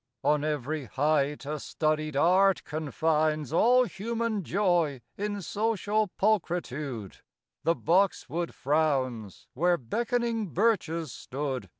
On every height a studied art confines All human joy in social pulchritude; The boxwood frowns where beckoning birches stood.